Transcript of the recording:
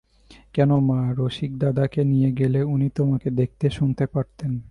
কেন মা, রসিকদাদাকে নিয়ে গেলে উনি তোমাকে দেখতে শুনতে পারতেন।